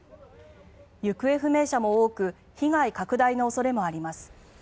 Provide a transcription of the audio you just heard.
行方不明者も多く被害拡大の恐れもあります。